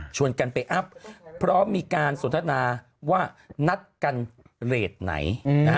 ชวนกันไปอัพเพราะมีการสนทนาว่านัดกันเรศไหน